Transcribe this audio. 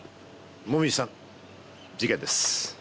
紅葉さん事件です。